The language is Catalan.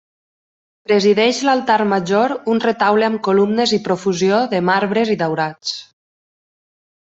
Presideix l'altar major un retaule amb columnes i profusió de marbres i daurats.